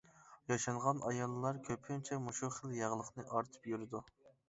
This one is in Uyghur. ياشانغان ئاياللار كۆپىنچە مۇشۇ خىل ياغلىقنى ئارتىپ يۈرىدۇ.